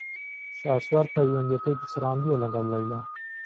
شاسوار پەیوەندییەکەی پچڕاندووە لەگەڵ لەیلا.